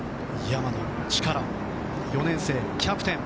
山野力、４年生キャプテン。